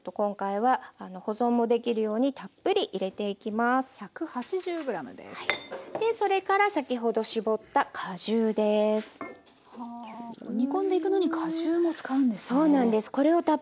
はあ煮込んでいくのに果汁も使うんですね。